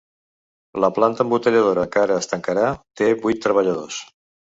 La planta embotelladora que ara es tancarà té vuit treballadors.